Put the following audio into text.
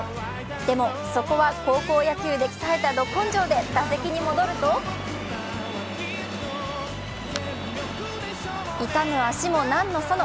でもそこは高校野球で鍛えたど根性で打席に戻ると、痛む足も何のその。